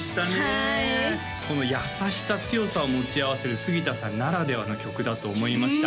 はいこの優しさ強さを持ち合わせる杉田さんならではの曲だと思いました